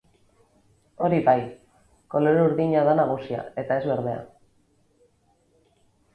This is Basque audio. Hori bai, kolore urdina da nagusia eta ez berdea.